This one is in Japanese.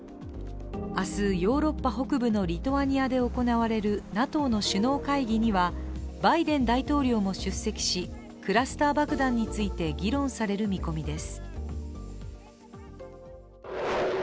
明日、ヨーロッパ北部のリトアニアで行われるＮＡＴＯの首脳会議には、バイデン大統領も出席しクラスター爆弾について議論される見込みです。